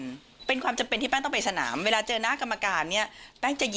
มันเป็นความจำเป็นที่แป้งต้องไปสนามเวลาเจอหน้ากรรมการเนี่ยแป้งจะยิ้ม